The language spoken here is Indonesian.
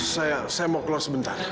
saya mau keluar sebentar